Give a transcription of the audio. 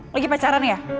lagi pacaran ya